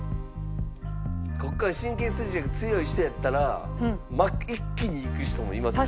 ここから神経衰弱強い人やったら一気にいく人もいますでしょ。